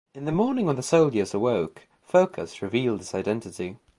In the morning, when the soldiers awoke, Phocas revealed his identity.